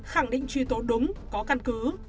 khẳng định truy tố đúng có căn cứ